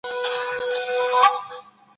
ډیپلوماټان به د بیان ازادي ساتي.